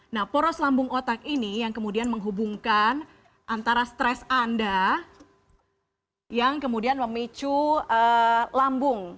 nah poros lambung otak ini yang kemudian menghubungkan antara stres anda yang kemudian memicu lambung